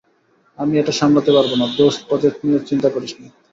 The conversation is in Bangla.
আমি এটা সামলাতে পারব না, দোস্ত - প্রজেক্ট নিয়ে চিন্তা করিস না।